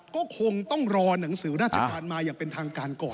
ก็คงต้องรอหนังสือราชการมาอย่างเป็นทางการก่อน